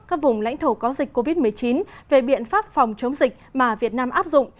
các vùng lãnh thổ có dịch covid một mươi chín về biện pháp phòng chống dịch mà việt nam áp dụng